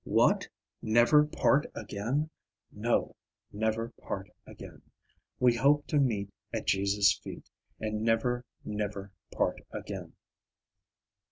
What! never part again? No, never part again. We hope to meet at Jesus' feet, And never, never part again.